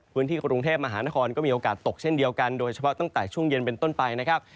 พื้นที่กรุงเทพมหานครก็มีโอกาสตกเช่นเดียวกันโดยเฉพาะตั้งแต่ช่วงเย็นเป็นต้นไปนะครับ